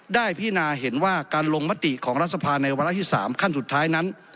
พินาเห็นว่าการลงมติของรัฐสภาในวาระที่๓ขั้นสุดท้ายนั้น